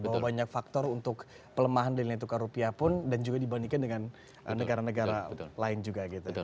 bahwa banyak faktor untuk pelemahan nilai tukar rupiah pun dan juga dibandingkan dengan negara negara lain juga gitu